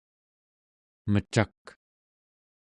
mecak